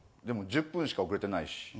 でも１０分しか遅れてないし。